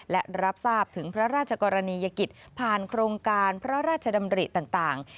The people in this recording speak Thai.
และรับทราบถึงพระราชกรณียกิจผ่านโครงการพระราชดำริต่าง